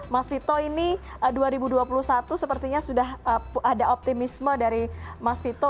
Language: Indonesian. mas vito ini dua ribu dua puluh satu sepertinya sudah ada optimisme dari mas vito